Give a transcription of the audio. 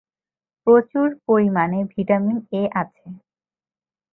প্রচুর পরিমাণে vitamin ‘A’ আছে।